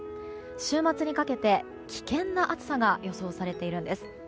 週末にかけて危険な暑さが予想されているんです。